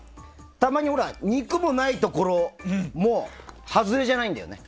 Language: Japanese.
たまに肉がないところもはずれじゃないんだよね。